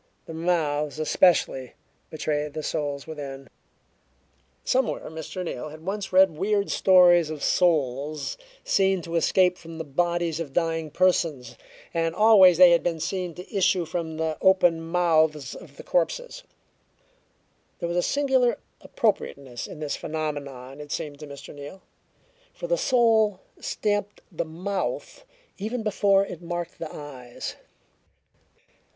The mouths, especially, betrayed the souls within. Somewhere Mr. Neal had once read weird stories of souls seen to escape from the bodies of dying persons, and always they had been seen to issue from the open mouths of the corpses. There was a singular appropriateness in this phenomenon, it seemed to Mr. Neal, for the soul stamped the mouth even before it marked the eyes.